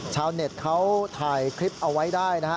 ชาวเน็ตเขาถ่ายคลิปเอาไว้ได้นะฮะ